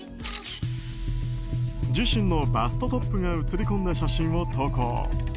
自身のバストトップが映り込んだ写真を投稿。